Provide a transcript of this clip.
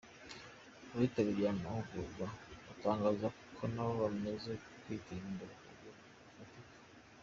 Abitabiriye aya mahugurwa batangaza ko nabo bamaze kwiteza imbere ku buryo bufatika.